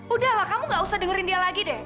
udah lah kamu gak usah dengerin dia lagi deh